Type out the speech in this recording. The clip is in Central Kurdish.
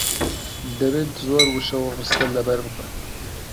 دەبێت زۆر وشە و ڕستە لەبەر بکەم.